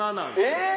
えっ！